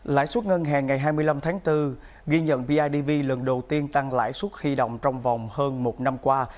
lãi suất ngân hàng ngày hai mươi năm tháng bốn ghi nhận bidv lần đầu tiên tăng lãi suất huy động trong vòng hơn một năm qua